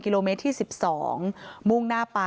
คุณภรรยาเกี่ยวกับข้าวอ่ะคุณภรรยาเกี่ยวกับข้าวอ่ะ